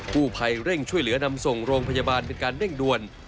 ผู้ภัยเร่งช่วยเหลือนำส่งโรงพยาบาลเป็นการเร่งด่วน